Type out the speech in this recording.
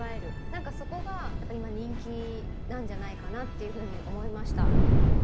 なんかそこが人気なんじゃないかなっていうふうに思いました。